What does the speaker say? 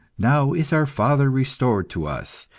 Now is our father restored to us.